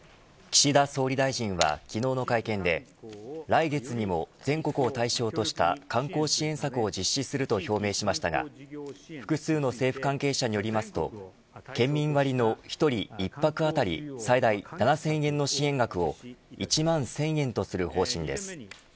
岸田総理大臣は昨日の会見で来月にも全国を対象とした観光支援策を実施すると表明しましたが複数の政府関係者によりますと県民割の１人１泊当たり最大７０００円の支援額を１万１０００円とする方針です。